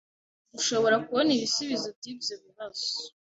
dushobora kubona ibisubizo by’ibyo bibazo